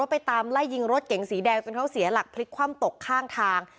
ไปตามไล่ยิงรถเก๋งสีแดงจนเขาเสียหลักพลิกคว่ำตกข้างทาง